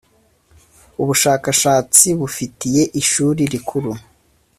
ubushakashatsi bufitiye Ishuri Rikuru.